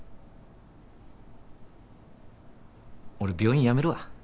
俺病院辞めるわ。